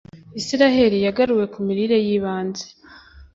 isiraheli yagaruwe ku mirire y'ibanze